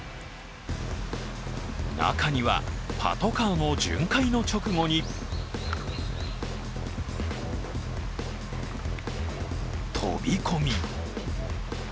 中には、パトカーの巡回の直後に飛び込み。